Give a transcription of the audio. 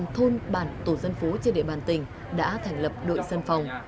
một trăm linh thôn bản tổ dân phố trên địa bàn tỉnh đã thành lập đội sân phòng